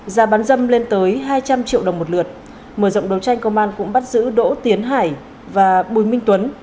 giá bán dâm lên tới hai trăm linh triệu đồng một lượt mở rộng đấu tranh công an cũng bắt giữ đỗ tiến hải và bùi minh tuấn